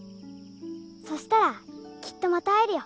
そしたらきっとまた会えるよ。